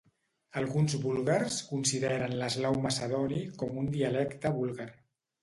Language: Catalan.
Alguns búlgars consideren l'eslau macedoni com un dialecte búlgar.